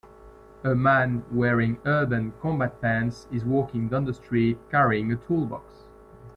A man wearing urban combat pants is walking down the street carrying a toolbox